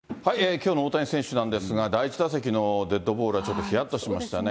きょうの大谷選手なんですが、第１打席のデッドボールは、ちょっとひやっとしましたね。